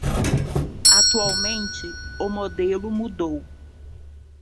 Atualmente, o modelo mudou.